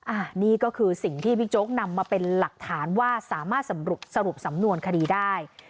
อันนี้ก็คือสิ่งที่บิ๊กโจ๊กนำมาเป็นหลักฐานว่าสามารถสรุปสำนวนคดีได้